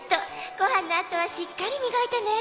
ご飯のあとはしっかり磨いてね。